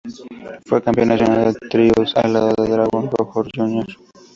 Fue Campeón Nacional de Trios a lado de Dragon Rojo Jr.